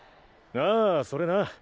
ああそれな。